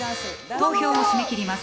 投票を締め切ります。